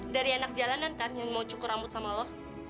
dari anak jalanan kan yang mau cukur rambut sama loh